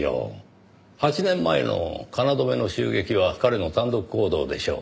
８年前の京の襲撃は彼の単独行動でしょう。